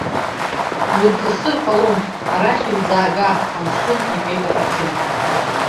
Дурҵысыр ҟалом, арахь илзаага амшын иҳәеит аҳақьым.